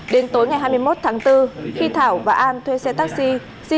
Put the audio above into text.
đến tối ngày hai mươi một tháng bốn khi thảo và an thuê xe taxi